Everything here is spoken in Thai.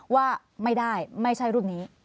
ว่าไม่ได้ไม่ใช่รุ่นนี้